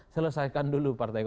selesaikan dulu partai satu